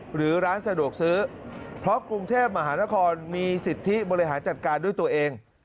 หรือร้านสะดวกซื้อเพราะกรุงเทพมหานครมีสิทธิบริหารจัดการด้วยตัวเอง